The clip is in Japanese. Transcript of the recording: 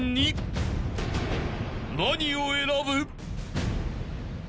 ［何を選ぶ？］